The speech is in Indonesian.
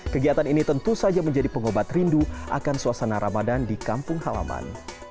kegiatan ini tentu saja menjadi pengobat rindu akan suasana ramadan di kampung halaman